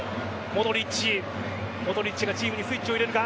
モドリッチがチームにスイッチを入れるか。